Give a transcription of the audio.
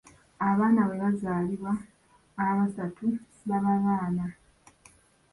Abaana bwe bazaalibwa abasatu baba baana.